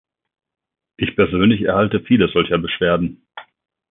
Ich persönlich erhalte viele solcher Beschwerden.